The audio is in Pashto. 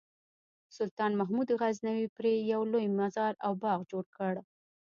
سلطان محمود غزنوي پرې یو لوی مزار او باغ جوړ کړ.